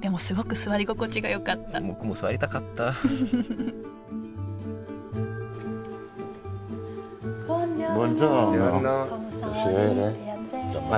でもすごく座り心地が良かった僕も座りたかったフフフフボンジョルノ。